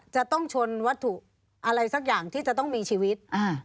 จะต้องชนวัตถุอะไรสักอย่างที่จะต้องมีชีวิต